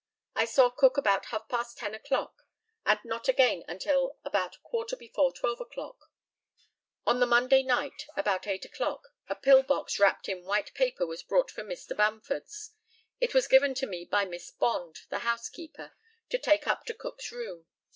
I saw Cook about half past 10 o'clock, and not again until about a quarter before 12 o'clock. On the Monday night, about 8 o'clock, a pill box wrapped in white paper was brought from Mr. Bamford's. It was given to me by Miss Bond, the housekeeper, to take up to Cook's room.